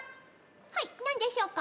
はい何でしょうか。